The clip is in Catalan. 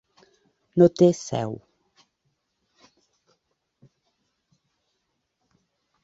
No té seu.